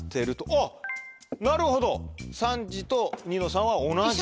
おっなるほど３時とニノさんは同じ。